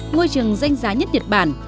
ngôi trường danh giá nhất nhật bản